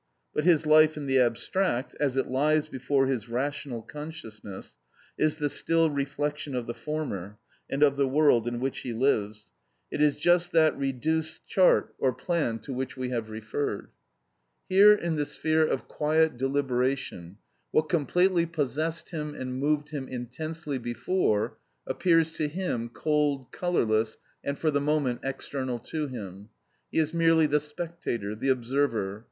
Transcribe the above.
But his life in the abstract, as it lies before his rational consciousness, is the still reflection of the former, and of the world in which he lives; it is just that reduced chart or plan to which we have referred. Here in the sphere of quiet deliberation, what completely possessed him and moved him intensely before, appears to him cold, colourless, and for the moment external to him; he is merely the spectator, the observer.